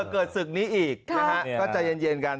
เกิดศึกนี้อีกนะฮะก็ใจเย็นกัน